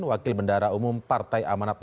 wakil bendara umum partai amanat